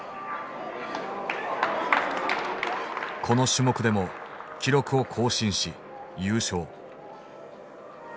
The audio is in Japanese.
この種目でも記録を更新し優勝。